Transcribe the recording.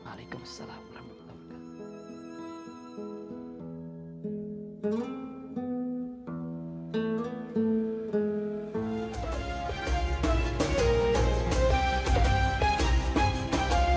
waalaikumsalam warahmatullahi wabarakatuh